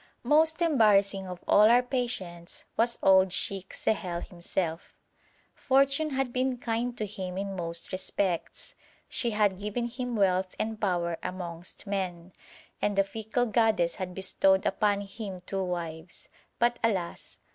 Most embarrassing of all our patients was old Sheikh Sehel himself. Fortune had been kind to him in most respects: she had given him wealth and power amongst men, and the fickle goddess had bestowed upon him two wives, but alas!